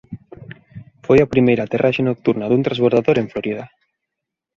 Foi a primeira aterraxe nocturna dun transbordador en Florida.